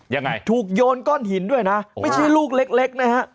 ยังไงถูกโยนก้อนหินด้วยนะไม่ใช่ลูกเล็กเล็กนะฮะ